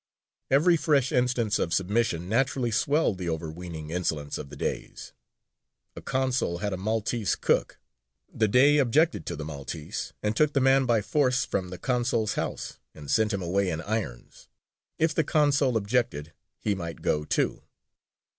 Every fresh instance of submission naturally swelled the overweening insolence of the Deys. A consul had a Maltese cook: the Dey objected to the Maltese, and took the man by force from the consul's house and sent him away in irons. If the consul objected, he might go too.